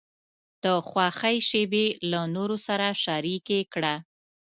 د خوښۍ شیبې له نورو سره شریکې کړه.